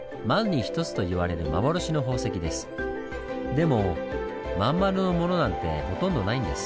でもまん丸のものなんてほとんどないんです。